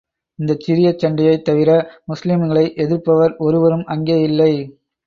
இந்தச் சிறிய சண்டையைத் தவிர, முஸ்லிம்களை எதிர்ப்பவர் ஒருவரும் அங்கே இல்லை.